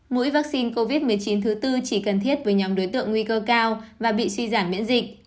mũi vaccine covid một mươi chín thứ tư chỉ cần thiết với nhóm đối tượng nguy cơ cao và bị suy giảm miễn dịch